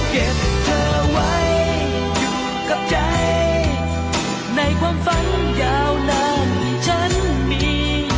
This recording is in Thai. เก็บเธอไว้อยู่กับใจในความฝันยาวนานฉันมี